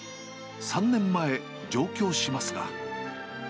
３年前、上京しますが。